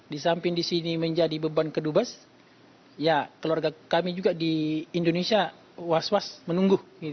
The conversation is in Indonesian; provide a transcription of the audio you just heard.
di samping di sini menjadi beban kedubes ya keluarga kami juga di indonesia was was menunggu